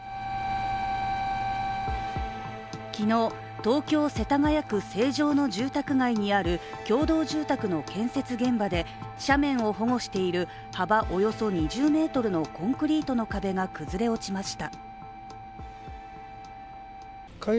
昨日、東京・世田谷区成城の住宅街にある共同住宅の建設現場で斜面を保護している幅およそ２０ｍのコンクリートの壁が崩れ落ちました。